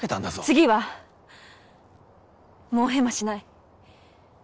次はもうヘマしない！